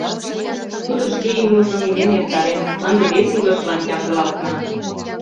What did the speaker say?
Тудо шке ӱмыржым илен эртарен, ынде вес илышлан ямдылалтман...